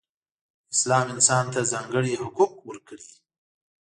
اسلام انسان ته ځانګړې حقوق ورکړئ.